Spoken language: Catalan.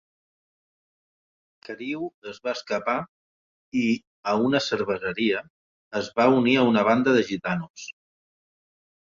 Carew es va escapar i, a una cerveseria, es va unir a una banda de "gitanos".